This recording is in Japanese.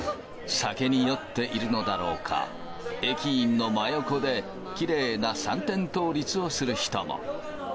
酒に酔っているのだろうか、駅員の真横で、きれいな三点倒立をする人も。